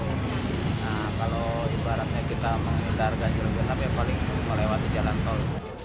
nah kalau itu harapnya kita mengingat ganjil genap ya paling lewat jalan tol